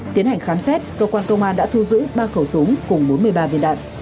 tiến hành khám xét cơ quan công an đã thu giữ ba khẩu súng cùng bốn mươi ba viên đạn